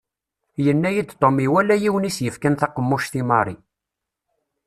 Yenna-yi-d Tom iwala yiwen i s-yefkan taqemmuct i Mary.